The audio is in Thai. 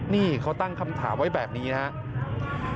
นี่เขาตั้งคำถามไว้แบบนี้นะครับ